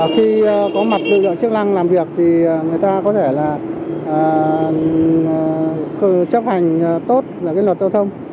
khi có mặt lực lượng chiếc lăng làm việc thì người ta có thể là chấp hành tốt là cái luật giao thông